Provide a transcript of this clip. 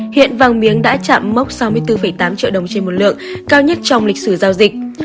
hiện vàng miếng đã chạm mốc sáu mươi bốn tám triệu đồng trên một lượng cao nhất trong lịch sử giao dịch